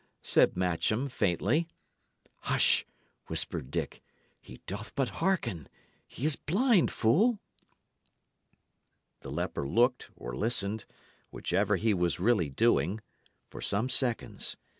said Matcham, faintly. "Hush!" whispered Dick. "He doth but hearken. He is blind, fool!" The leper looked or listened, whichever he was really doing, for some seconds.